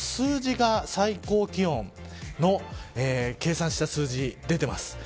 この数字が最高気温の計算した数字出ています。